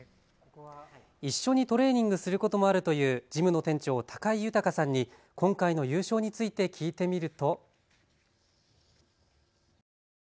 一緒にトレーニングすることもあるというジムの店長、高井裕さんに今回の優勝について聞いてみると。